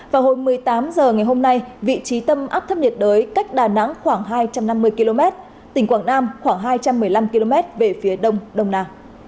vào hồi một mươi tám h ngày hôm nay vị trí tâm áp thấp nhiệt đới cách đà nẵng khoảng hai trăm năm mươi km tỉnh quảng nam khoảng hai trăm một mươi năm km về phía đông đông nam